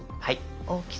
大きさ。